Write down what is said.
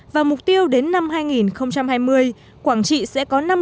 và mục tiêu đến năm hai nghìn hai mươi quảng trị sẽ có năm mươi